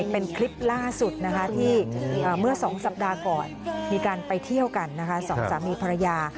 เป็นคลิปล่าสุดนะคะที่เมื่อ๒สัปดาห์ก่อนมีการไปเที่ยวกันนะคะสองสามีภรรยา